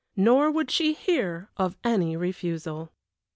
Nor would she hear of any refusal.